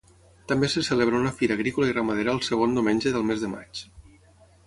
També se celebra una fira agrícola i ramadera el segon diumenge del mes de maig.